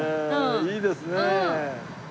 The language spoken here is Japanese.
いいですねえ。